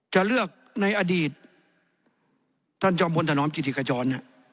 จะเลือกในอดีตท่านจอมพลธนอมกิติขจร